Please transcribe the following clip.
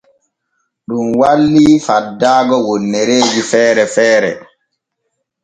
Ɗun walli faddaago wonnereeji feere feere.